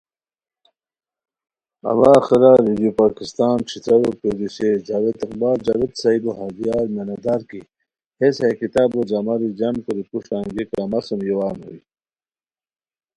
اوا آخرہ ریڈیو پاکستان ݯھترارو پروڈیوسر جاوید اقبال جاوید صاحبو ہردیاری مینہ دار کی ہیس ہیہ کتابو جماری جم کوری پروشٹہ انگیکہ مہ سُم یووان ہوئے